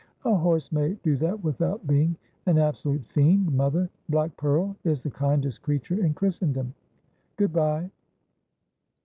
'A horse may do that without being an absolute fiend, mother. Black Pearl is the kindest creature in Christendom. Good bye.'